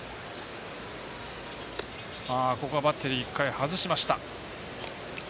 バッテリー、１回外しました。